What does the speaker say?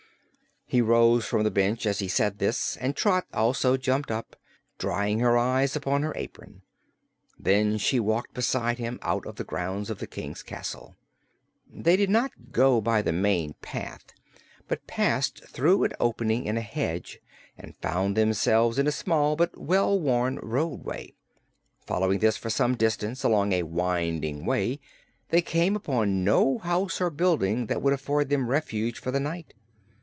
He rose from the bench as he said this and Trot also jumped up, drying her eyes on her apron. Then she walked beside him out of the grounds of the King's castle. They did not go by the main path, but passed through an opening in a hedge and found themselves in a small but well worn roadway. Following this for some distance, along a winding way, they came upon no house or building that would afford them refuge for the night.